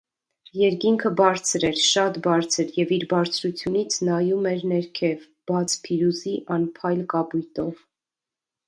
Երկինքը բարձր էր, շատ բարձր և իր բարձրությունից նայում էր ներքև բաց-փիրուզի անփայլ կապույտով: